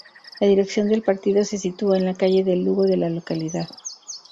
La dirección del partido se sitúa en la Calle de Lugo de la localidad.